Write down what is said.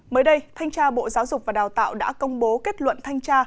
mới đây thanh tra bộ giáo dục và đào tạo đã công bố kết luận thanh tra